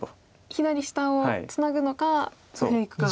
左下をツナぐのか上いくか。